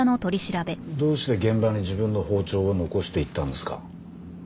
どうして現場に自分の包丁を残していったんですか？